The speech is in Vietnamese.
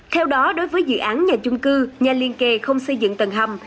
theo đó đối với dự án nhà chung cư nhà liên kề không xây dựng tầng hầm